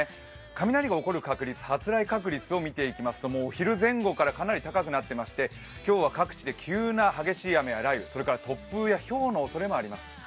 雷が起こる確率、発雷確率を見ていきますとお昼前後からかなり高くなっていまして今日は各地で急な激しい雨や雷雨、突風やひょうのおそれもあります。